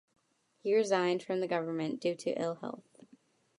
He resigned from government due to ill health.